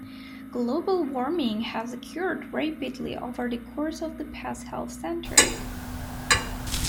Global warming has occurred rapidly over the course of the past half-century.